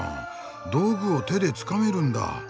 道具を手でつかめるんだ。